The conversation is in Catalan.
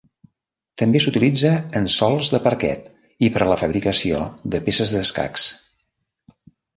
També s'utilitza en sòls de parquet i per a la fabricació de peces d'escacs.